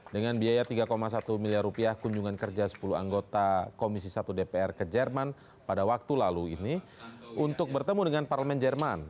dengan biaya tiga satu miliar rupiah kunjungan kerja sepuluh anggota komisi satu dpr ke jerman pada waktu lalu ini untuk bertemu dengan parlemen jerman